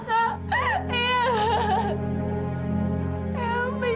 sekarang ayah pergi